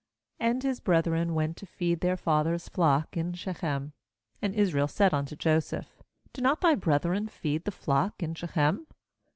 12 And his brethren went to feed their father's flock in Shechem. 13And Israel said unto Joseph: 'Do not thy brethren feed the flock in Shechem?